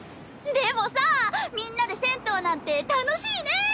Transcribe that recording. でもさみんなで銭湯なんて楽しいね！